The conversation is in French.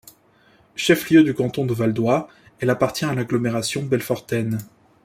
Chef-lieu du canton de Valdoie, elle appartient à l'agglomération belfortaine.